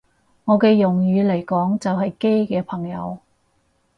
我嘅用語嚟講就係基嘅朋友